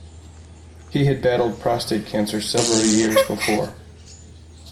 He had battled prostate cancer several years before.